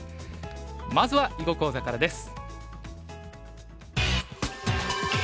まずは囲碁講座からです。